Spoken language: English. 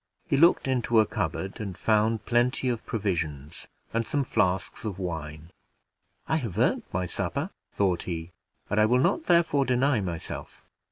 He looked into a cupboard and found plenty of provisions, and some flasks of wine. "I have earned my supper," thought he, "and I will not, therefore, deny myself."